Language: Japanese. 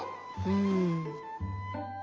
うん。